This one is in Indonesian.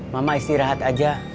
mama istirahat aja